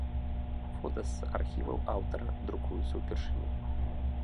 Фота з архіва аўтара, друкуюцца ўпершыню.